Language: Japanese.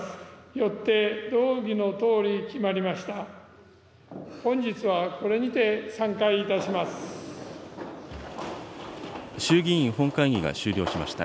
よって、動議のとおり決まりました。